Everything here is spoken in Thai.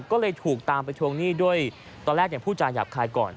ก็เลยถูกตามไปทวงหนี้ด้วยตอนแรกผู้จาหยาบคายก่อน